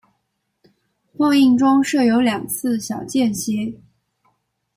放映中设有两次小间歇。